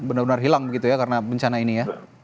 benar benar hilang begitu ya karena bencana ini ya